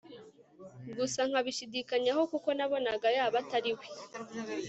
gusa nkabishidikanyaho kuko nabonaga yaba atariwe